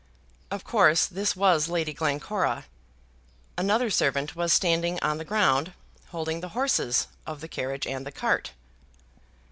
Of course this was Lady Glencora. Another servant was standing on the ground, holding the horses of the carriage and the cart.